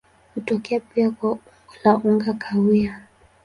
Hutokea pia kwa umbo la unga kahawia.